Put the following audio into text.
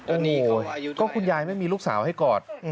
โอ้โหก็คุณยายไม่มีลูกสาวให้กอด